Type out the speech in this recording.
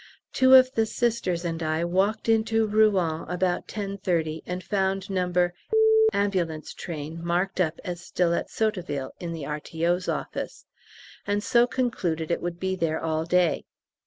Two of the Sisters and I walked into Rouen about 10.30, and found No. A.T. marked up as still at Sotteville (in the R.T.O.'s office), and so concluded it would be there all day.